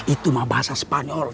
itu mah bahasa spanyol